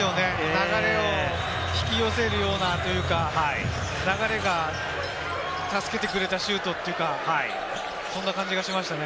流れを引き寄せるような、流れが助けてくれたシュートというか、そんな感じがしましたね。